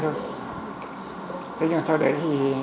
thế nhưng mà sau đấy thì